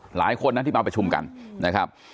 หลายคนนะที่มาประชุมกันนะครับ